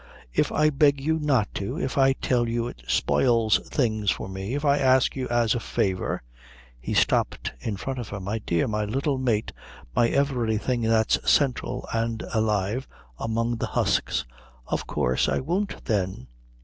If I beg you not to, if I tell you it spoils things for me, if I ask you as a favour " He stopped in front of her. "My dear, my little mate, my everything that's central and alive among the husks " "Of course I won't, then.